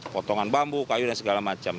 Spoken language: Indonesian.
potongan bambu kayu dan segala macam